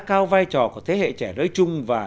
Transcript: cao vai trò của thế hệ trẻ nói chung và